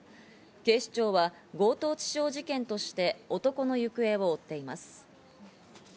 警視庁は強盗致傷事件として男の行方を追っています。